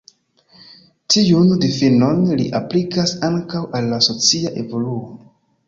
Tiun difinon li aplikas ankaŭ al la socia evoluo.